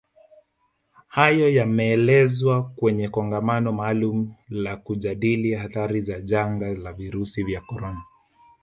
Hayo yameelezwa kwenye Kongamano maalumu la kujadili athari za janga la virusi vya corona